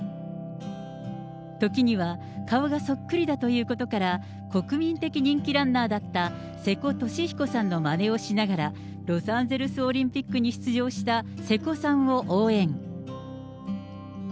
ときには顔がそっくりだということから、国民的人気ランナーだった瀬古利彦さんのまねをしながら、ロサンゼルスオリンピックに出場した瀬古さんを応援。